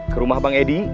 ke rumah bang edi